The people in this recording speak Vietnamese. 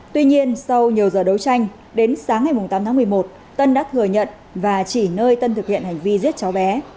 tuy nhiên sau nhiều giờ đấu tranh đến sáng ngày tám tháng một mươi một tân đã thừa nhận và chỉ nơi tân thực hiện hành vi giết cháu bé